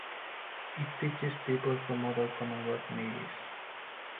It teaches people from other Commonwealth navies.